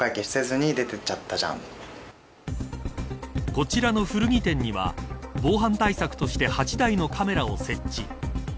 こちらの古着店には防犯対策として８台のカメラを設置。